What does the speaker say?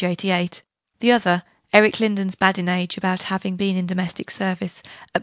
88; the other, Eric Lindon's badinage about having been in domestic service, at p.